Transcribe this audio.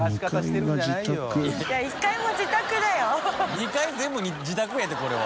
２階全部自宅やってこれは。